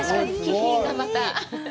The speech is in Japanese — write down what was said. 品が、また。